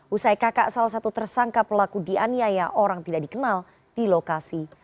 usai kakak salah satu tersangka pelaku dianiaya orang tidak dikenal di lokasi